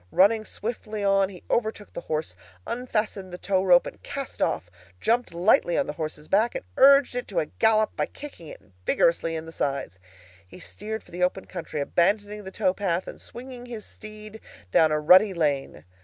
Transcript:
Running swiftly on he overtook the horse, unfastened the towrope and cast off, jumped lightly on the horse's back, and urged it to a gallop by kicking it vigorously in the sides. He steered for the open country, abandoning the tow path, and swinging his steed down a rutty lane.